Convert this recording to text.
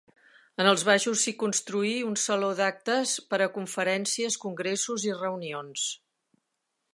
En els baixos s'hi construí un saló d'actes per a conferències, congressos i reunions.